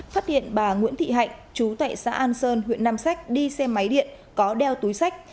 phát hiện bà nguyễn thị hạnh chú tại xã an sơn huyện nam sách đi xe máy điện có đeo túi sách